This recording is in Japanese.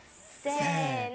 せの！